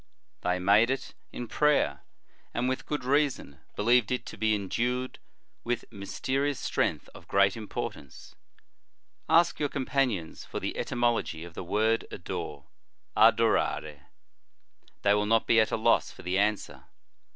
They made it in prayer, and, with good reason, believed it to be endued with mysterious strength of great importance. Ask your companions for the etymology of the word adore, adorare. They will not be at a loss for the answer.